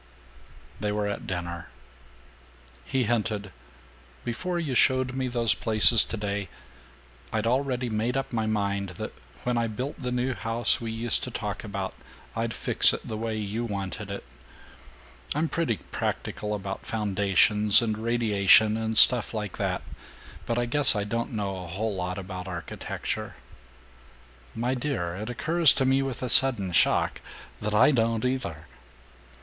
VI They were at dinner. He hinted, "Before you showed me those places today, I'd already made up my mind that when I built the new house we used to talk about, I'd fix it the way you wanted it. I'm pretty practical about foundations and radiation and stuff like that, but I guess I don't know a whole lot about architecture." "My dear, it occurs to me with a sudden shock that I don't either!"